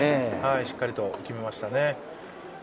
しっかりと決めましたね。